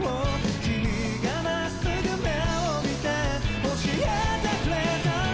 「君がまっすぐ目を見て教えてくれたんだ」